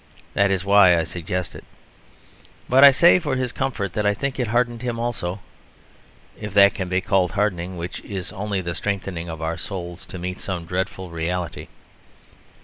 That is why I suggest it. But I say for his comfort that I think it hardened him also; if that can be called hardening which is only the strengthening of our souls to meet some dreadful reality.